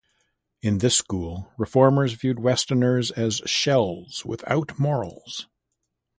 In this school, reformers viewed Westerners as shells without morals.